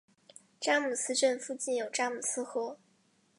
詹姆斯镇附近有詹姆斯河。